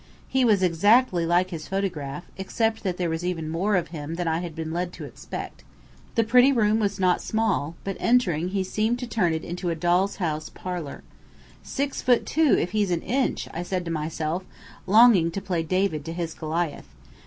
He was exactly like his photograph, except that there was even more of him than I had been led to expect. The pretty room was net small, but entering, he seemed to turn it into a doll's house parlour. "Six foot two, if he's an inch!" I said to myself, longing to play David to his Goliath.